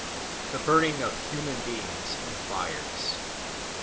The Burning of Human Beings in the Fires 1.